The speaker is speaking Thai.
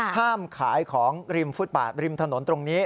ห้ามขายของริมฟุตบาทริมถนนตรงนี้